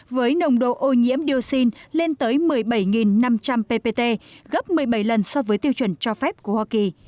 với nồng độ ô nhiễm dioxin lên tới một mươi bảy năm trăm linh ppt gấp một mươi bảy lần so với tiêu chuẩn cho phép của hoa kỳ